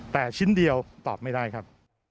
แต่ชิ้นเดียวตอบไม่ได้ครับ